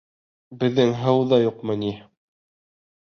Беҙҙең һыу ҙа юҡмы ни?